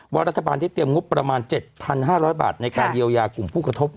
รัฐบาลได้เตรียมงบประมาณ๗๕๐๐บาทในการเยียวยากลุ่มผู้กระทบ